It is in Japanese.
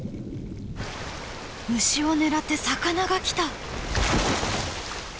虫を狙って魚が来た！